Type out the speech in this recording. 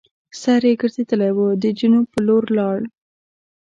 سر یې ګرځېدلی وو د جنوب پر لور لاړ.